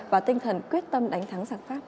và tinh thần quyết tâm đánh thắng giặc pháp